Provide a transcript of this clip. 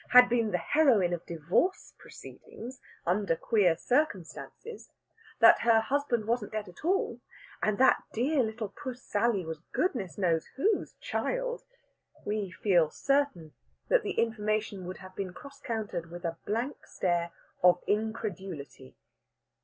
had been the heroine of divorce proceedings under queer circumstances, that her husband wasn't dead at all, and that that dear little puss Sally was Goodness knows who's child, we feel certain that the information would have been cross countered with a blank stare of incredulity.